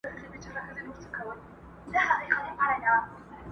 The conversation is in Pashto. وږمه ځي تر ارغوانه پښه نيولې؛